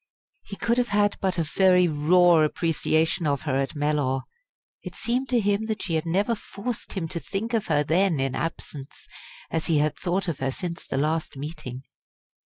He could have had but a very raw appreciation of her at Mellor. It seemed to him that she had never forced him to think of her then in absence, as he had thought of her since the last meeting.